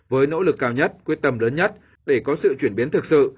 với nỗ lực cao nhất quyết tâm lớn nhất để có sự chuyển biến thực sự